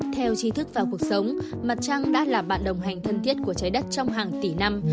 theo chi thức và cuộc sống mặt trăng đã là bạn đồng hành thân thiết của trái đất trong hàng tỷ năm